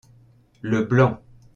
le blanc.